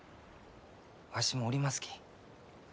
わしもおりますき。